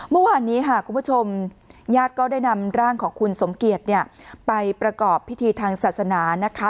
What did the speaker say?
เมื่อวานนี้ค่ะคุณผู้ชมญาติก็ได้นำร่างของคุณสมเกียจไปประกอบพิธีทางศาสนานะคะ